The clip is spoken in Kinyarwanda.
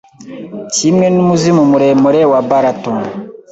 Kimwe numuzimu muremure wa Barraton